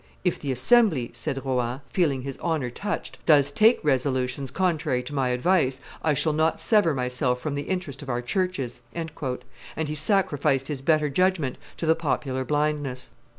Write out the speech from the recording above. "If the assembly," said Rohan, feeling his honor touched, "does take resolutions contrary to my advice, I shall not sever myself from the interest of our churches; "and he sacrificed his better judgment to the popular blindness.